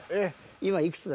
「今いくつだ？」。